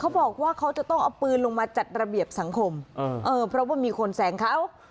เขาบอกว่าเขาจะต้องเอาปืนลงมาจัดระเบียบสังคมเออเพราะว่ามีคนแสงเขา